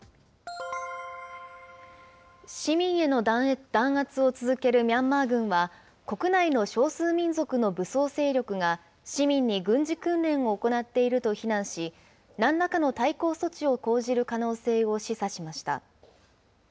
市民への弾圧を続けるミャンマー軍は、国内の少数民族の武装勢力が市民に軍事訓練を行っていると非難し、なんらかの対抗措置を講じる可能性を示唆しました。